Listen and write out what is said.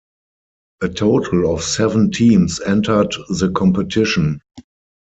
A total of seven teams entered the competition.